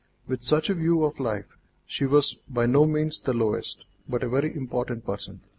With such a view of life, she was by no means the lowest, but a very important person.